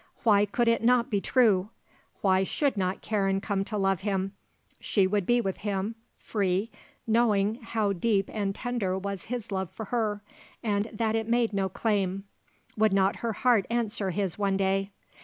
Why could it not be true? Why should not Karen come to love him? She would be with him, free, knowing how deep and tender was his love for her, and that it made no claim. Would not her heart answer his one day?